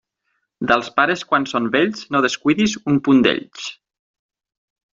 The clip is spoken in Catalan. Dels pares quan són vells, no descuidis un punt d'ells.